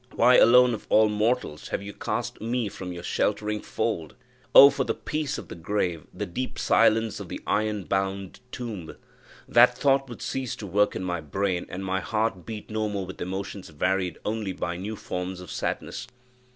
Why alone of all mortals have you cast me from your sheltering fold? Oh, for the peace of the grave! the deep silence of the iron bound tomb! that thought would cease to work in my brain, and my heart beat no more with emotions varied only by new forms of sadness!